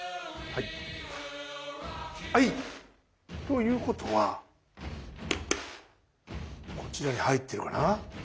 ということはこちらに入ってるかな？